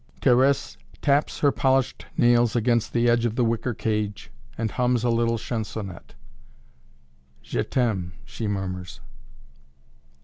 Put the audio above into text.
Thérèse taps her polished nails against the edge of the wicker cage and hums a little chansonette. "Je t'aime" she murmurs.